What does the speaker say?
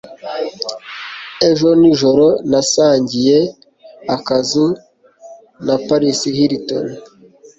Ejo nijoro, nasangiye akazu na Paris Hilton.